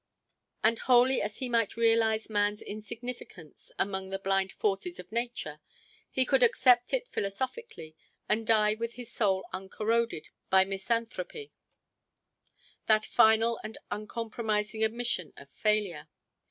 And wholly as he might realize man's insignificance among the blind forces of nature, he could accept it philosophically and die with his soul uncorroded by misanthropy, that final and uncompromising admission of failure.